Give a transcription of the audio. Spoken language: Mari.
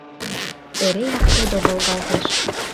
Эреак тудо волгалтеш.